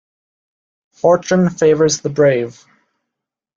Fortune favours the brave.